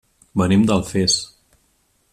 Venim d'Alfés.